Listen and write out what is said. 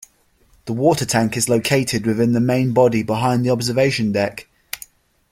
The water tank is located within the main body behind the observation deck.